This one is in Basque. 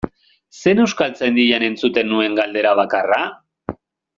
Zen Euskaltzaindian entzuten nuen galdera bakarra?